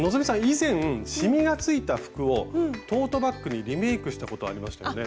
以前しみがついた服をトートバッグにリメークしたことありましたよね？